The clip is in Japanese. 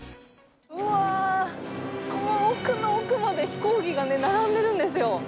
うわー、奥の奥まで飛行機が並んでいるんですよ。